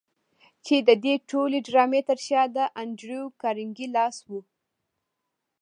چې د دې ټولې ډرامې تر شا د انډريو کارنګي لاس و.